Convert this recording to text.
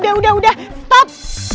udah udah udah stop